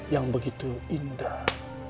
yang begitu indah